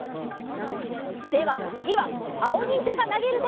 ではつぎはあおにんじゃがなげるでござる。